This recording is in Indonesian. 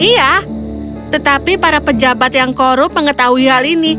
iya tetapi para pejabat yang korup mengetahui hal ini